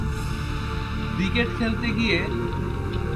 Cricket খেলতে গিয়ে।